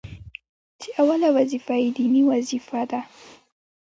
چي اوله وظيفه يې ديني وظيفه ده،